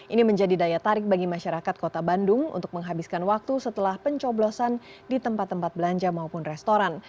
ini menjadi daya tarik bagi masyarakat kota bandung untuk menghabiskan waktu setelah pencoblosan di tempat tempat belanja maupun restoran